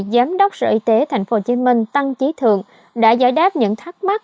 giám đốc sở y tế tp hcm tăng trí thượng đã giải đáp những thắc mắc